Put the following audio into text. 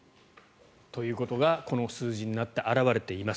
ということがこの数字になって表れています。